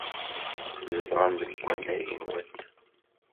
Zedɣen deg wannag n wadda.